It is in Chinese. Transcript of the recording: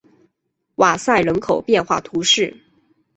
瓦塞人口变化图示